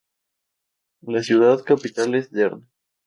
La ciudad capital es Derna.